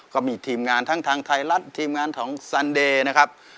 ก็มีทีมงานทั้งทางไทยรัฐทีมงานของซันเดย์นะครับ